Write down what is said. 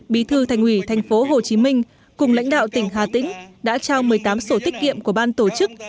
bí thư thành ủy tp hcm cùng lãnh đạo tỉnh hà tĩnh đã trao một mươi tám sổ tiết kiệm của ban tổ chức